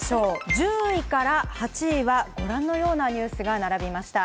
１０位から８位はご覧のようなニュースが並びました。